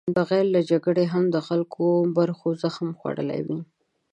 بغیر له جګړې هم د خلکو برخو زخم خوړلی وي.